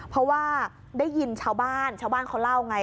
เพราะว่าได้ยินชาวบ้านเจ้าบ้านเขาเล่าอย่างไร